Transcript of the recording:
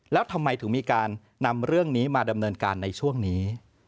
แล้วทำไมถึงมีการนำเรื่องนี้มาดำเนินการในช่วงนี้